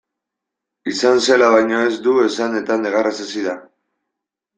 Izan zela baino ez du esan eta negarrez hasi da.